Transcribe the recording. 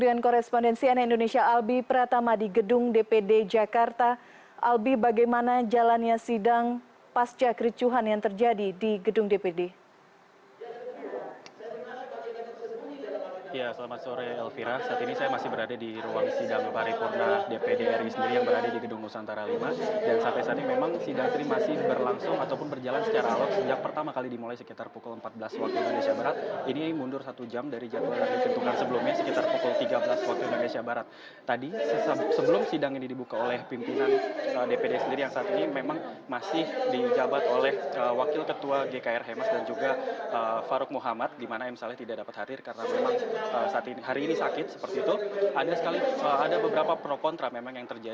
dan kita lihat bersama bagaimana suasana